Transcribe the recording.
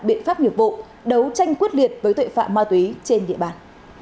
biện pháp nghiệp vụ đấu tranh quyết liệt với tội phạm ma túy trên địa bàn